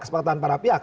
kesepakatan para pihak